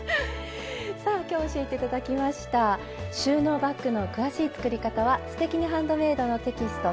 さあ今日教えて頂きました「収納バッグ」の詳しい作り方は「すてきにハンドメイド」のテキスト